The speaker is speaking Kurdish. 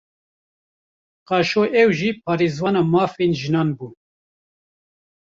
Qaşo ew jî parêzvana mafên jinan bû